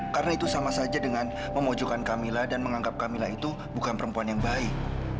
karena itu sama saja dengan memojokan kamilah dan menganggap kamilah itu bukan perempuan yang baik